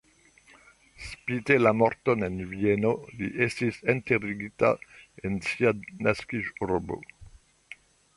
Spite la morton en Vieno li estis enterigita en sia naskiĝurbo.